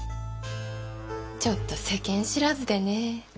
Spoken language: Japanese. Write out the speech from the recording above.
ちょっと世間知らずでね。